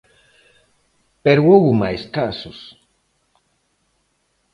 Pero houbo máis casos.